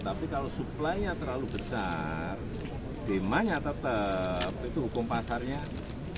tapi kalau supply nya terlalu besar demanya tetap itu hukum pasarnya harga pasti turun